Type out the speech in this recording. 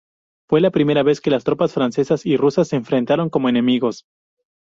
Fue la primera vez que tropas francesas y rusas se enfrentaron como enemigos.